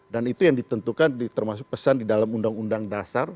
dan itu yang ditentukan termasuk pesan di dalam undang undang dasar